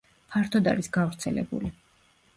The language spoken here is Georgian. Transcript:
ფართოდ არის გავრცელებული.